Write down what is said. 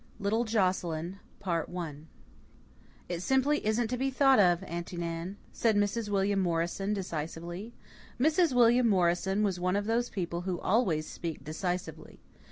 Little Joscelyn "It simply isn't to be thought of, Aunty Nan," said Mrs. William Morrison decisively. Mrs. William Morrison was one of those people who always speak decisively.